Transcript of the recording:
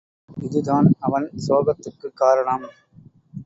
இது தான் அவன் சோகத்துக்குக் காரணம்.